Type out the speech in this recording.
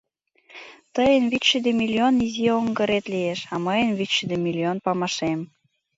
Тыйын вичшӱдӧ миллион изи оҥгырет лиеш, а мыйын — вичшӱдӧ миллион памашем…